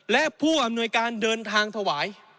และผู้อำนวยการเดินทางถวาย